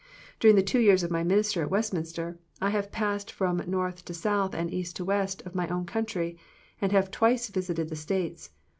During the two years of my ministry at Westminster I have passed from North to South and East to West of my own country, and have twice visited the States.